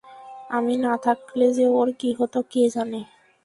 আমি না থাকলে যে ওর কী হতো কে জানে!